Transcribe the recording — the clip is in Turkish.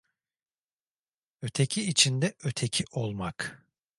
Öteki İçinde "Öteki" olmak